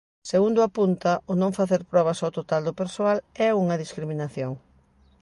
Segundo apunta, o non facer probas ao total do persoal "é unha discriminación".